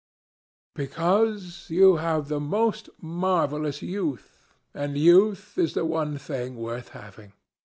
"Because you have the most marvellous youth, and youth is the one thing worth having."